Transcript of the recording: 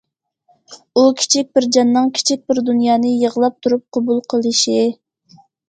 ئۇ كىچىك بىر جاننىڭ كىچىك بىر دۇنيانى يىغلاپ تۇرۇپ قوبۇل قىلىشى.